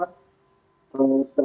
yang paling penting adalah